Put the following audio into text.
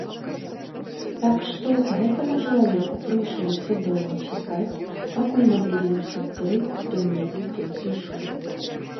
Так што гэтаму чалавеку прыйшлося доўга чакаць, пакуль наблізіўся той, хто недзе тут ішоў.